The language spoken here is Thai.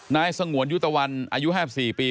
นายสงวนยุตวรรณอายุ๕๔ปี